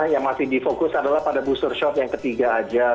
yang masih di fokus adalah pada booster shop yang ketiga aja